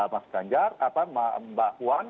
mas ganjar mbak puan